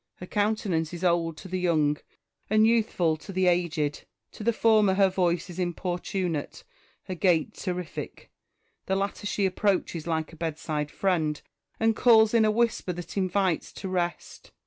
Her countenance is old to the young, and youthful to the aged : to the former her voice is importunate, her gait terrific ; the latter she approaches like a bedside friend, and calls in a whisper that invites to rest.